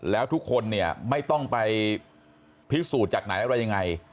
แล้วทุกคนเนี่ยไม่ต้องไปพิสูจน์จากไหนอะไรยังไง